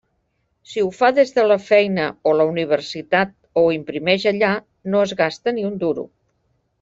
Si ho fa des de la feina o la universitat o ho imprimeix allà, no es gasta ni un duro.